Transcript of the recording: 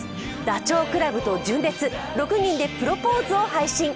ダチョウ倶楽部と純烈、６人で「プロポーズ」を配信。